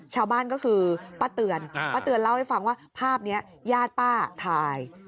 ชาวบ้านก็คือป้าเตือนป้าเตือนเล่าให้ฟังว่าภาพนี้ญาติป้าถ่าย